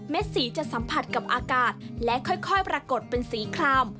สีจะสัมผัสกับอากาศและค่อยปรากฏเป็นสีคลาม